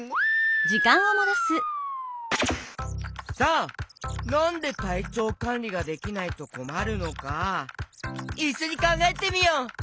さあなんでたいちょうかんりができないとこまるのかいっしょにかんがえてみよう！